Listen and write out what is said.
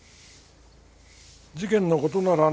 事件の事ならね